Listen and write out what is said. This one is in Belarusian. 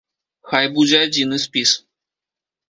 Хай будзе адзіны спіс.